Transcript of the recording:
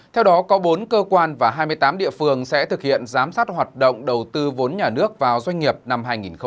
theo đó có bốn cơ quan và hai mươi tám địa phương sẽ thực hiện giám sát hoạt động đầu tư vốn nhà nước vào doanh nghiệp năm hai nghìn hai mươi